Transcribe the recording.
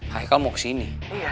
haikal mau kesini